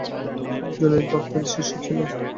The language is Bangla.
তিনি জুনায়েদ বাগদাদীর শিষ্য ছিলেন।